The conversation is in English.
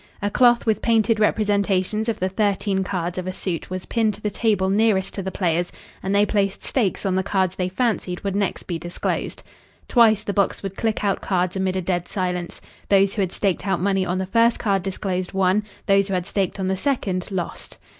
A cloth with painted representations of the thirteen cards of a suit was pinned to the table nearest to the players, and they placed stakes on the cards they fancied would next be disclosed. Twice the box would click out cards amid a dead silence. Those who had staked out money on the first card disclosed won, those who had staked on the second lost.